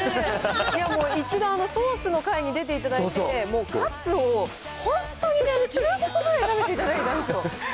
もう、１度、ソースの回に出ていただいて、もうカツを本当に食べていただいたんですよね。